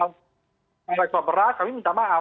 karena itu berat kami minta maaf